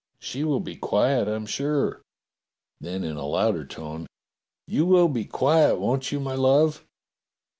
She will be quiet, I'm sure." Then in a louder tone : "You will be quiet, won't you, my love.